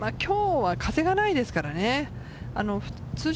今日は風がないですからね。